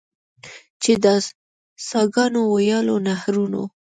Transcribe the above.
چې د څاګانو، ویالو، نهرونو.